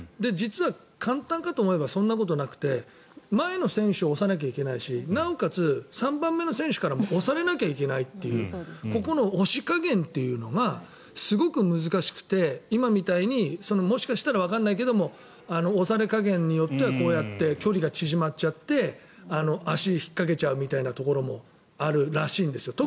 実は簡単かと思いきやそんなことなくて前の選手を押さなきゃいけないしなおかつ３番目の選手からも押されなきゃいけないというここの押し加減がすごく難しくて今みたいに、もしかしたらわからないけれども押され加減によってはこうやって距離が縮まっちゃって足を引っかけちゃうみたいなこともあるらしいです。